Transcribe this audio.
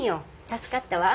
助かったわ。